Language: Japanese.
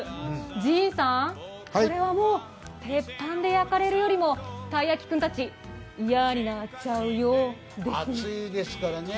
神さん、これはもう、鉄板で焼かれるよりもたい焼き君たち、嫌になっちゃうよですね。